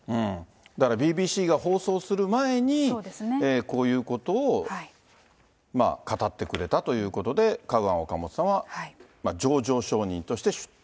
だからＢＢＣが放送する前に、こういうことを、まあ語ってくれたということで、カウアン・オカモトさんは情状証人として出廷。